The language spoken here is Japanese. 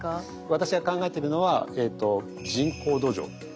私が考えてるのは人工ですか。